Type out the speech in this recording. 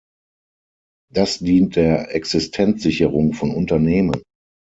Das dient der Existenzsicherung von Unternehmen.